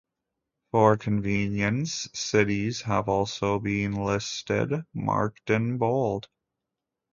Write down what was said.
For convenience, cities have also been listed, marked in bold.